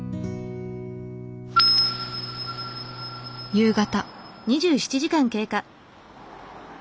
夕方。